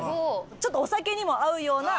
ちょっとお酒にも合うような。